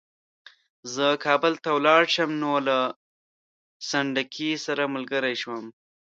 زه کابل ته ولاړ شم نو له سنډکي سره ملګری شوم.